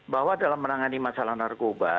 bahwa dalam menangani masalah narkoba